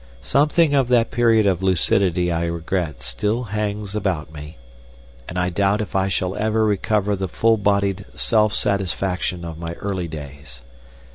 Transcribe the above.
Something of that period of lucidity I regret still hangs about me, and I doubt if I shall ever recover the full bodied self satisfaction of my early days.